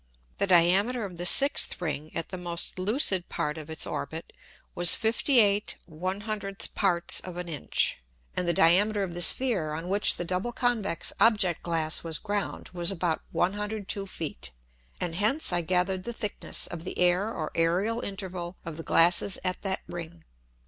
The Diameter of the sixth Ring at the most lucid part of its Orbit was 58/100 parts of an Inch, and the Diameter of the Sphere on which the double convex Object glass was ground was about 102 Feet, and hence I gathered the thickness of the Air or Aereal Interval of the Glasses at that Ring.